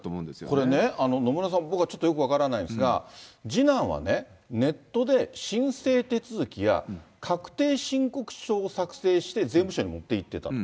これね、野村さん、僕はちょっとよく分からないんですが、次男はね、ネットで申請手続きや確定申告書を作成して税務署に持っていってたと。